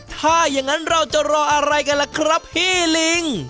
ถ้าอย่างนั้นเราจะรออะไรกันล่ะครับพี่ลิง